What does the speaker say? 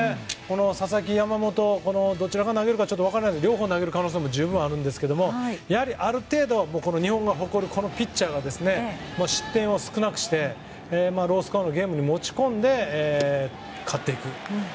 佐々木、山本のどちらが投げるか分かりませんが両方投げる可能性も十分ありますが日本が誇る、このピッチャーが失点を少なくしてロースコアのゲームに持ち込んで勝っていく。